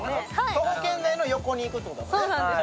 徒歩圏内の横に行くっていうことだよね。